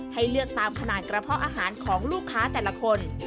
ให้เลือกตามขนาดกระเพาะอาหารของลูกค้าแต่ละคน